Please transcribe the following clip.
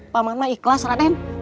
pak man mah ikhlas raden